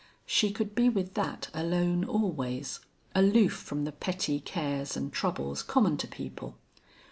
She could be with that alone always, aloof from the petty cares and troubles common to people.